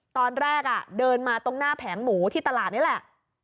ตอนแรกเดินมาตรงหน้าแผงหมูที่ตลาดนี่แหละ